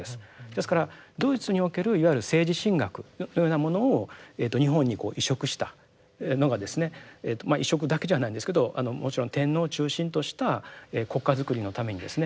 ですからドイツにおけるいわゆる政治神学というようなものを日本にこう移植したのがですねまあ移植だけじゃないんですけどもちろん天皇を中心とした国家づくりのためにですね